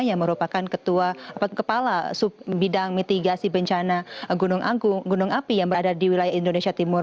yang merupakan kepala sub bidang mitigasi bencana gunung api yang berada di wilayah indonesia timur